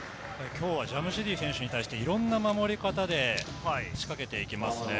今日はジャムシディ選手に対していろんな守り方で仕掛けていきますね。